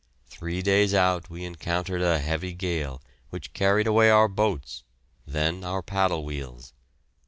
Three days out we encountered a heavy gale, which carried away our boats, then our paddle wheels.